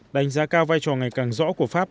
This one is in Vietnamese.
đánh giá cao vai trò ngày càng rõ của pháp